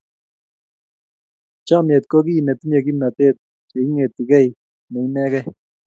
Chomnyet ko kei netinyei kimnatet, cheing'eti kei ne inegei.